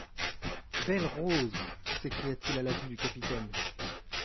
Belle-Rose ! s'écria-t-il à la vue du capitaine.